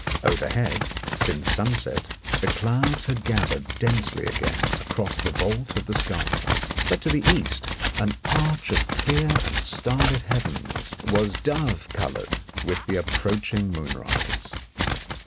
Overhead, since sunset, the clouds had gathered densely again across the vault of the sky, but to the east an arch of clear and star lit heavens was dove coloured with the approaching moonrise.